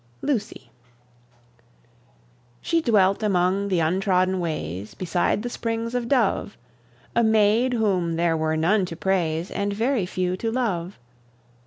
LUCY. She dwelt among the untrodden ways Beside the springs of Dove; A maid whom there were none to praise, And very few to love.